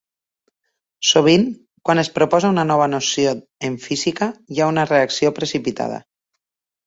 Sovint, quan es proposa una nova noció en física, hi ha una reacció precipitada.